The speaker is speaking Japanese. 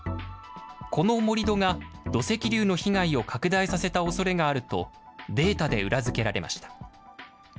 この盛り土が土石流の被害を拡大させたおそれがあると、データで裏付けられました。